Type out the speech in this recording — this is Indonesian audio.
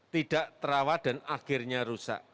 tidak terawat dan akhirnya rusak